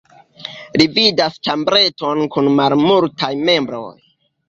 Li vidas ĉambreton kun malmultaj mebloj.